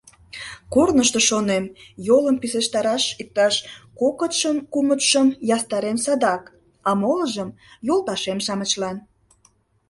Корнышто, шонем, йолым писештараш иктаж кокытшым-кумытшым ястарем садак, а молыжым — йолташем-шамычлан.